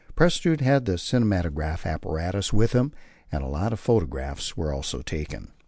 Prestrud had the cinematograph apparatus with him, and a lot of photographs were also taken.